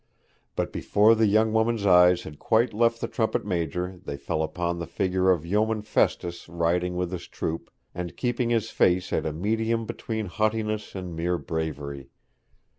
But before the young woman's eyes had quite left the trumpet major they fell upon the figure of Yeoman Festus riding with his troop, and keeping his face at a medium between haughtiness and mere bravery.